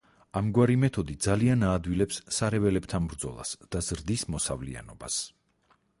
ამგვარი მეთოდი ძალიან აადვილებს სარეველებთან ბრძოლას და ზრდის მოსავლიანობას.